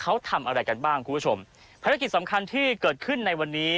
เขาทำอะไรกันบ้างคุณผู้ชมภารกิจสำคัญที่เกิดขึ้นในวันนี้